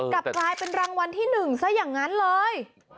กลับกลายเป็นรางวัลที่๑ซะอย่างนั้นเลย